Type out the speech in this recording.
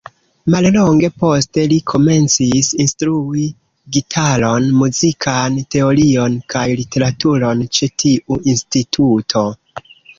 Mallonge poste li komencis instrui gitaron, muzikan teorion kaj literaturon ĉe tiu instituto.